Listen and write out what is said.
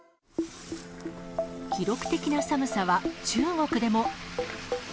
記録的な寒さは中国でも。